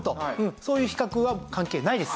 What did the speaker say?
そういう比較は関係ないです。